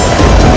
itu udah gila